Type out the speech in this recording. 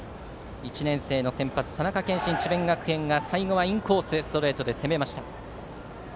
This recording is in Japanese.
１年生の先発、田中謙心智弁学園が最後はインコースストレートで攻めました。